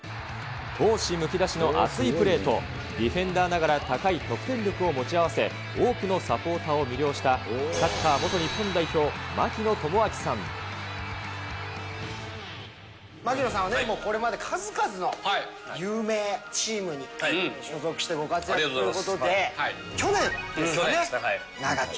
闘志むき出しの熱いプレーと、ディフェンダーながら高い得点力を持ち合わせ、多くのサポーターを魅了したサッカー元日本代表、槙野さんはね、これまで数々の有名チームに所属してご活躍ということで、去年ですよね、長き